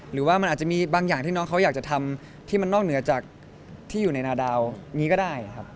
หรือว่ามันอาจจะมีบางอย่างที่น้องเขาอยากจะทำที่มันนอกเหนือจากที่อยู่ในนาดาวอย่างนี้ก็ได้ครับ